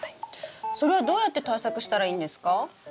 それはどうやって対策したらいいんですか？